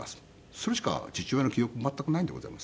それしか父親の記憶全くないんでございます。